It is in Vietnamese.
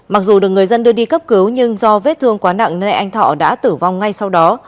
mặc dù được người dân đưa đi cấp cứu nhưng do vết thương quá nặng nên anh thọ đã tử vong ngay sau đó